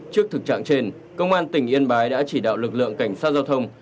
trước thực trạng trên công an tỉnh yên bái đã chỉ đạo lực lượng cảnh sát giao thông